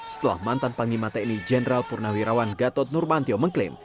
setelah mantan panglima tni jenderal purnawirawan gatot nurmantio mengklaim